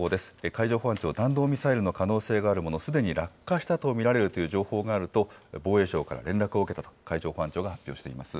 海上保安庁、弾道ミサイルの可能性があるもの、すでに落下したと見られるという情報があると、防衛省から連絡を受けたと海上保安庁が発表しています。